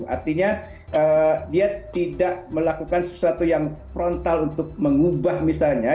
artinya dia tidak melakukan sesuatu yang frontal untuk mengubah misalnya